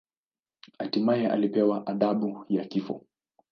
Hatimaye alipewa adhabu ya kifo.